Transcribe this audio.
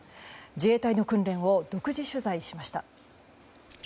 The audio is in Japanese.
自衛隊の訓練を独自取材しました。